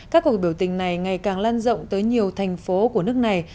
các cuộc biểu tình này ngày càng lan rộng tới nhiều thành phố của nước này